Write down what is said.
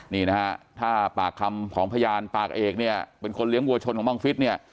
นี่นะฮะถ้าปากคำของพยานปากเอกเนี่ยเป็นคนเลี้ยงวัวชนของบังฟิศเนี่ย